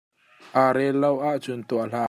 Aa rel lo ahcun tuah hlah.